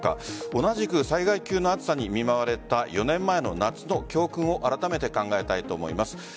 同じく災害級の暑さに見舞われた４年前の夏の教訓をあらためて考えたいと思います。